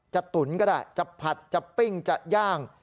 ตุ๋นก็ได้จะผัดจะปิ้งจะย่าง